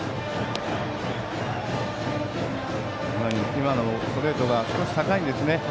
今のストレートが少し高いんですね。